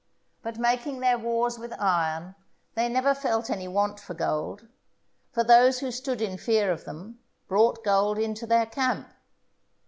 But making their wars with iron they never felt any want of gold; for those who stood in fear of them brought gold into their camp.